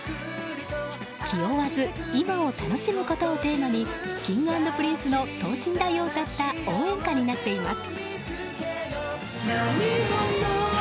気負わず今を楽しむことをテーマにＫｉｎｇ＆Ｐｒｉｎｃｅの等身大を歌った応援歌になっています。